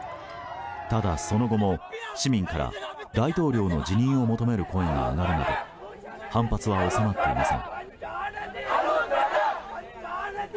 ただ、その後も市民が大統領の辞任を求める声が上がるなど反発が収まっていません。